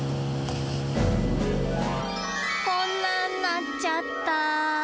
こんなんなっちゃった。